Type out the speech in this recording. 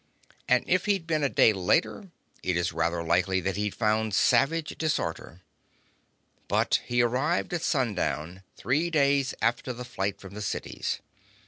And if he'd been a day later, it is rather likely that he'd have found savage disorder. But he arrived at sundown three days after the flight from the cities.